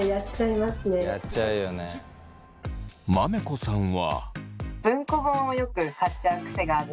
まめこさんは。